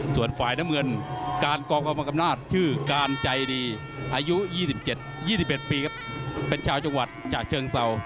ส่วนฝ่ายน้ำเงินการกองกรรมอำนาจชื่อการใจดีอายุ๒๗๒๑ปีครับเป็นชาวจังหวัดฉะเชิงเศร้า